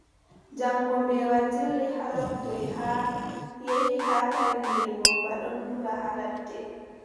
Jaŋngo mbeewa dilli, nga lortoy, nga yehi nga tawi ngeelooba ɗon dura haa ladde.